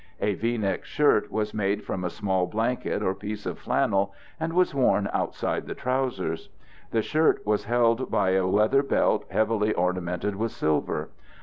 A V neck shirt was made from a small blanket or piece of flannel and was worn outside the trousers. The shirt was held by a leather belt heavily ornamented with silver.